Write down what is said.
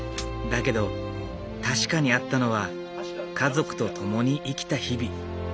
だけど確かにあったのは家族と共に生きた日々。